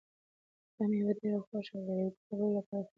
دا مېوه ډېره غوښه لري او د خوړلو لپاره خوندوره ده.